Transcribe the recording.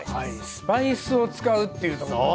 スパイスを使うっていうとこがね。